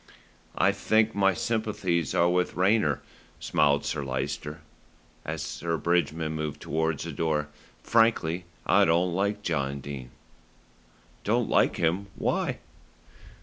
"I think my sympathies are with Rayner," smiled Sir Lyster, as Sir Bridgman moved towards the door. "Frankly, I don't like John Dene." "Don't like him! Why?"